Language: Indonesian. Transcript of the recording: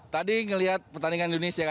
tadi ngeliat pertandingan indonesia kan